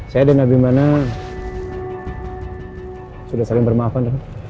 saya dan abimana sudah saling bermaafkan